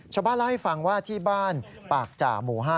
ชาวบ้านเล่าให้ฟังว่าที่บ้านปากจ่าหมู่๕